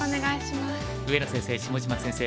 上野先生下島先生